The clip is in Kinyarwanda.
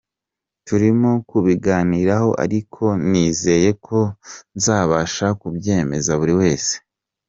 Turimo kubiganiraho ariko nizeye ko nzabasha kubyemeza buri wese.